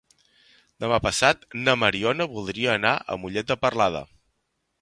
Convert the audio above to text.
Demà passat na Mariona voldria anar a Mollet de Peralada.